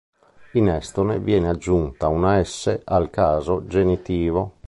In estone viene aggiunta una "s" al caso genitivo.